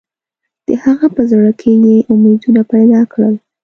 د هغه په زړه کې یې امیدونه پیدا کړل.